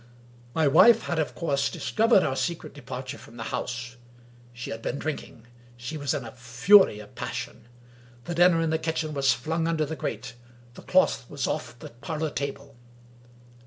XII My wife had, of course, discovered our secret departure from the house. She had been drinking. She was in a fury of passion. The dinner in the kitchen was flung under the grate; the cloth was off the parlor table.